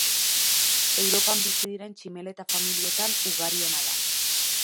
Europan bizi diren tximeleta-familietan ugariena da.